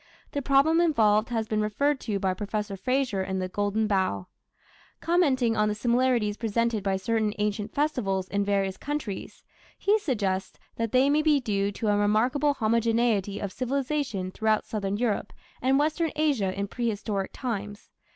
The problem involved has been referred to by Professor Frazer in the Golden Bough. Commenting on the similarities presented by certain ancient festivals in various countries, he suggests that they may be due to "a remarkable homogeneity of civilization throughout Southern Europe and Western Asia in prehistoric times.